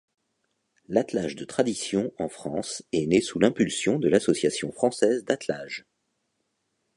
L'attelage de tradition en France est né sous l’impulsion de l’Association française d’attelage.